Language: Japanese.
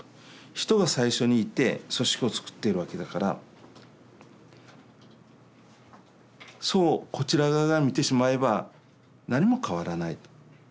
人が最初にいて組織をつくっているわけだからそうこちら側が見てしまえば何も変わらない。